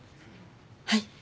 はい？